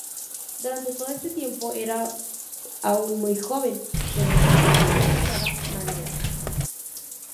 Durante todo este tiempo era aún muy joven, pero se veía que pintaba maneras.